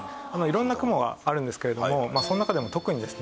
色んな雲があるんですけれどもその中でも特にですね